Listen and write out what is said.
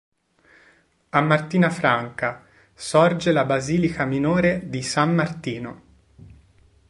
A Martina Franca sorge la basilica minore di San Martino.